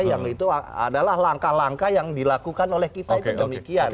yang itu adalah langkah langkah yang dilakukan oleh kita itu demikian